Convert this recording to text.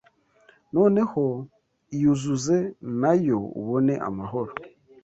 Noneho iyuzuze na yo ubone amahoro: